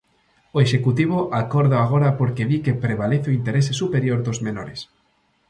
O Executivo acórdao agora porque di que prevalece o interese superior dos menores.